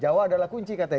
jawa adalah kunci katanya